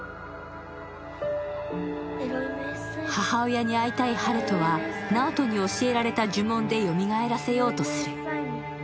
母親に会いたい春翔は、直人に教えられた呪文でよみがえらせようとする。